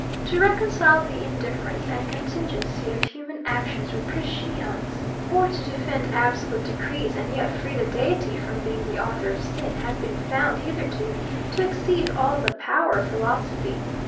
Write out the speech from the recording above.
To reconcile the indifference and contingency of human actions with prescience; or to defend absolute decrees, and yet free the Deity from being the author of sin, has been found hitherto to exceed all the power of philosophy.